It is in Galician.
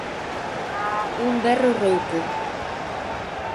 Un berro rouco.